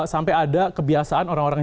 sampai ada kebiasaan orang orang